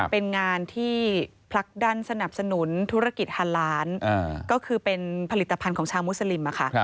เป็นงานที่พลักดันสนับสนุนธุรกิจฮาล้านก็คือเป็นผลิตภัณฑ์ของชาวมุสลิม